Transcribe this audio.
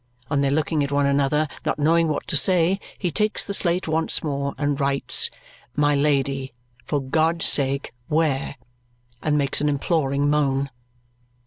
On their looking at one another, not knowing what to say, he takes the slate once more and writes "My Lady. For God's sake, where?" And makes an imploring moan.